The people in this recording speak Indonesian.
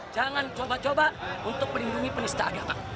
jangan coba coba untuk melindungi penista agama